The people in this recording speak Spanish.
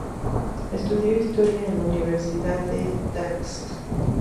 Estudió historia en la Universidad de Gdańsk.